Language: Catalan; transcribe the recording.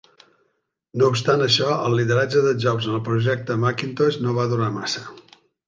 No obstant això, el lideratge de Jobs en el projecte Macintosh no va durar massa.